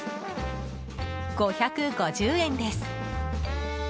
５５０円です。